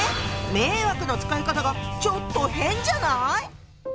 「迷惑」の使い方がちょっと変じゃない？